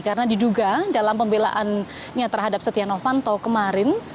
karena diduga dalam pembelaannya terhadap setia novanto kemarin